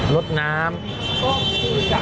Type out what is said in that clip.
รถน้ำ